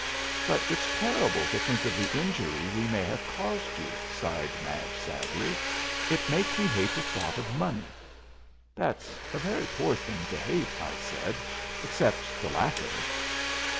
"But it's terrible to think of the injury we may have caused you," sighed Madge, sadly. "It makes me hate the thought of money." "That's a very poor thing to hate," I said, "except the lack of it."